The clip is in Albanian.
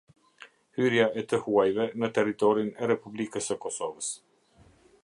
Hyrja e të huajve në territorin e Republikës së Kosovës.